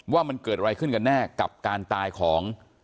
ว่ามันเกิดอะไรขึ้นกันแน่กับการตายของ